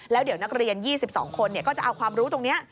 แล้วเดี๋ยวนักเรียน๒๒คนก็จะเอาความรู้ตรงนี้